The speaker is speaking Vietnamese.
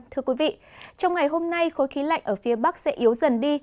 thưa quý vị trong ngày hôm nay khối khí lạnh ở phía bắc sẽ yếu dần đi